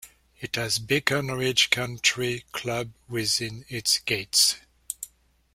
It has Beacon Ridge Country Club within its gates.